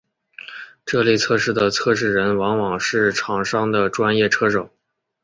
这类测试的测试人往往是厂商的专业车手。